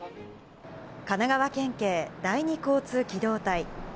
神奈川県警第二交通機動隊。